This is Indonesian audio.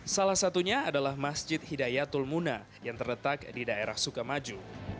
salah satunya adalah masjid hidayatul muna yang terletak di daerah sukamaju